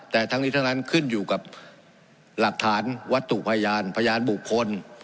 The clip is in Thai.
แต่ทั้งนี้ทั้งนั้นขึ้นอยู่กับหลักฐานวัตถุพยานพยานบุคคล